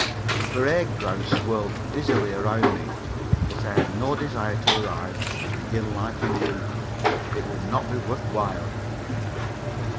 The parade ground swirled dizzily around me, but I had no desire to arise and begin life anew. It would not be worth while.